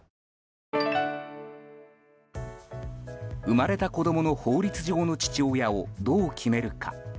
生まれた子供の法律上の父親をどう決めるか。